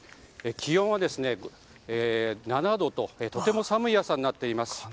気温は７度ととても寒い朝になっています。